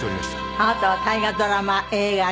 あなたは大河ドラマ映画